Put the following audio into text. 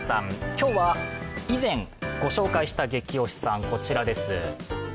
今日は以前ご紹介したゲキ推しさん、こちらです。